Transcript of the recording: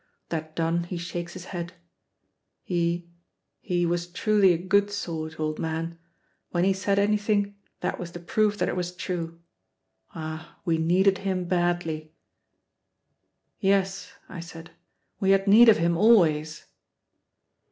That done, he shakes his head: "He he was truly a good sort, old man. When he said anything, that was the proof that it was true. Ah, we needed him badly!" "Yes," I said, "we had need of him always."